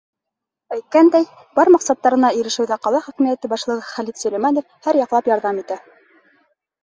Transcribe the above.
Әйткәндәй, бар маҡсаттарына ирешеүҙә ҡала хакимиәте башлығы Хәлит Сөләймәнов һәр яҡлап ярҙам итә.